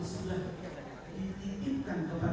selama ini setahun